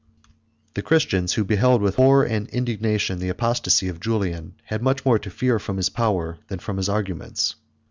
] The Christians, who beheld with horror and indignation the apostasy of Julian, had much more to fear from his power than from his arguments.